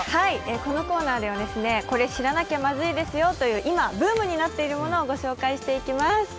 このコーナーではこれ、知らなきゃまずいですよという今、ブームになっているものをご紹介していきます。